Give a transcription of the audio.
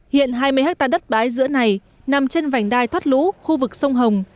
hiện hai mươi hectare đất bãi giữa này nằm trên vành đai thoát lũ khu vực sông hồng